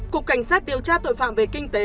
cục cảnh sát điều tra tội phạm về kinh tế